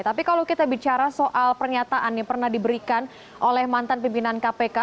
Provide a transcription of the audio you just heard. tapi kalau kita bicara soal pernyataan yang pernah diberikan oleh mantan pimpinan kpk